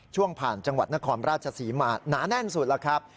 ช่วงผ่านจังหวัดนครราชศรีมาหนาแน่นสุดแล้วครับ